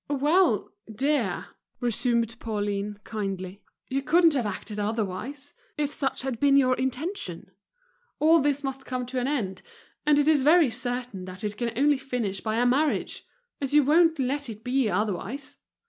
"Well, dear," resumed Pauline, kindly, "you couldn't have acted otherwise, if such had been your intention. All this must come to an end, and it is very certain that it can only finish by a marriage, as you won't let it be otherwise.